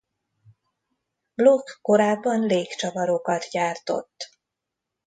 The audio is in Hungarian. Bloch korábban légcsavarokat gyártott.